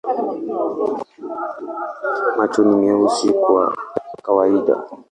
Macho ni meusi kwa kawaida.